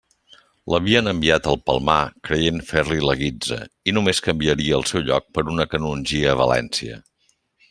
L'havien enviat al Palmar creient fer-li la guitza, i només canviaria el seu lloc per una canongia a València.